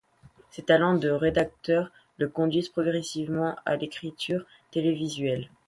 Ses talents de rédacteur le conduisent progressivement à l'écriture télévisuelle.